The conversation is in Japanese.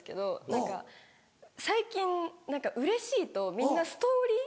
何か最近うれしいとみんなストーリー。